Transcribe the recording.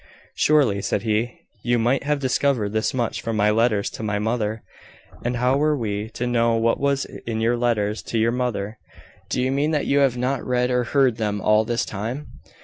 "Surely," said he, "you might have discovered this much from my letters to my mother." "And how were we to know what was in your letters to your mother?" "Do you mean that you have not read or heard them all this time?"